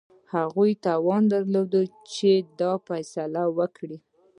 هغوی توان درلود چې دا فیصله وکړي.